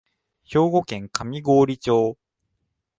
兵庫県上郡町